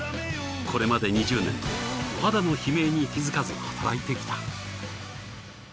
これまで２０年肌の悲鳴に気づかず働いてきた。